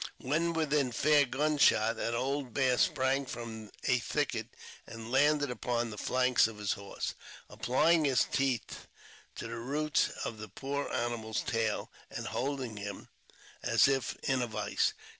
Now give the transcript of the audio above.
When within fair gun shot, an old bear sprang from a thicket, and landed upon the flanks of his horse, applying his teeth to the roots of the poor animal's tail, and holding him as if in a vice.